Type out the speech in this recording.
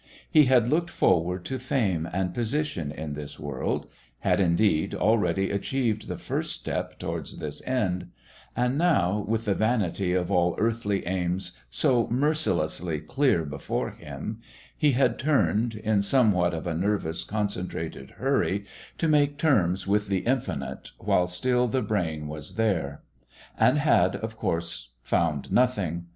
He had looked forward to fame and position in this world; had, indeed, already achieved the first step towards this end; and now, with the vanity of all earthly aims so mercilessly clear before him, he had turned, in somewhat of a nervous, concentrated hurry, to make terms with the Infinite while still the brain was there. And had, of course, found nothing.